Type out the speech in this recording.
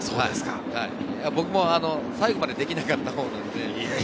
僕も最後までできなかったほうなので。